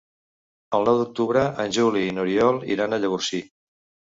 El nou d'octubre en Juli i n'Oriol iran a Llavorsí.